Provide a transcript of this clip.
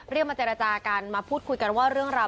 มาเจรจากันมาพูดคุยกันว่าเรื่องราว